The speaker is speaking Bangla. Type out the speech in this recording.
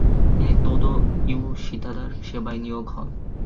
তিনি তোদো ইওশীতাদার সেবায় নিয়োগ হন।